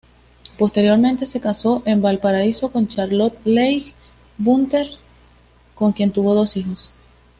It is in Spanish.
Posteriormente, se casó en Valparaíso con Charlotte Leigh Bunster, con quien tuvo dos hijos.